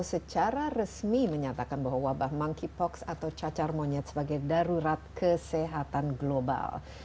secara resmi menyatakan bahwa wabah monkeypox atau cacar monyet sebagai darurat kesehatan global